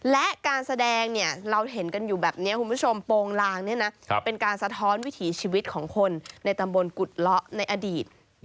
และการแสดงเราเห็นกันอยู่แบบนี้คุณผู้ชมโปรงลางเป็นการสะท้อนวิถีชีวิตของคนในตำบลกุฎเลาะในอดีต